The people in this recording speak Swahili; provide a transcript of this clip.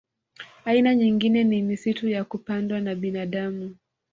Aina nyingine ni misitu ya kupandwa na binadamu